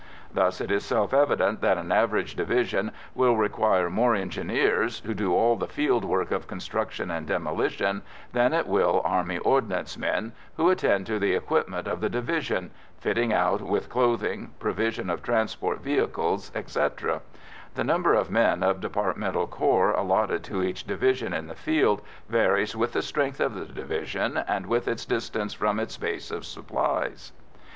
Thus it is self evident that an average division will require more Engineers, who do all the field work of construction and demolition, than it will Army Ordnance men, who attend to the equipment of the division fitting out with clothing, provision of transport vehicles, etc. The number of men of departmental corps allotted to each division in the field varies with the strength of the division and with its distance from its base of supplies.